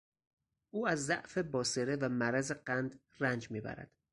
او از ضعف باصره و مرض قند رنج میبرد.